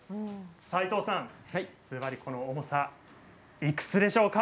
齋藤さん、ずばり重さいくつでしょうか？